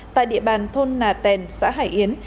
tại địa bàn thôn nà tèn xã hải yến